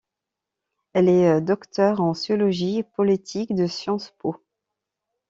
Elle est docteure en sociologie politique de Sciences Po.